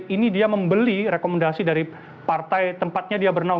ini dia membeli rekomendasi dari partai tempatnya dia bernaung